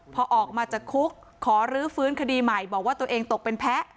พอออกมาจากคุกขอรื้อฟื้นคดีใหม่บอกว่าตัวเองตกเป็นแพ้